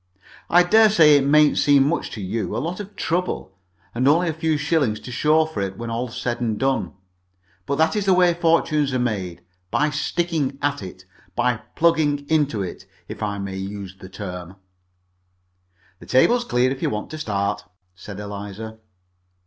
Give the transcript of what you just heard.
I daresay it mayn't seem much to you, a lot of trouble, and only a few shillings to show for it, when all's said and done, but that is the way fortunes are made, by sticking at it, by plugging into it, if I may use the term." "The table's clear, if you want to start," said Eliza.